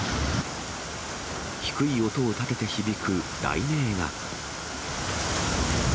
低い音を立てて響く雷鳴が。